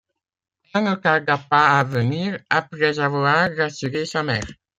Elle ne tarda pas à venir, après avoir rassuré sa mère.